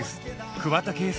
桑田佳祐